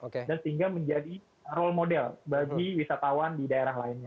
sehingga menjadi role model bagi wisatawan di daerah lainnya